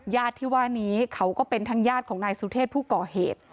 ญาติที่ว่านี้เขาก็เป็นทั้งญาติของนายสุเทพผู้ก่อเหตุ